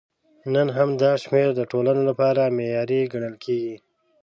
نن هم دا شمېر د ټولنو لپاره معیاري ګڼل کېږي.